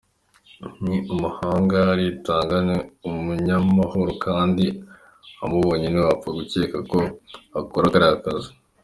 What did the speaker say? Ni umuhanga, aritanga, ni umunyamahoro kandi umubonye ntiwapfa gukeka ko akora kariya kazi.